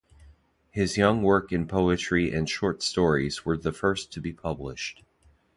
His young work in poetry and short stories were the first to be published.